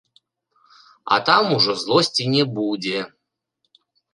А там ужо злосці не будзе.